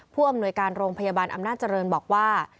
ผู้อำนวยการโรงพยาบาลอำนาจเจริญบอกว่า